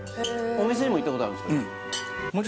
お店にも行ったことあるんですか？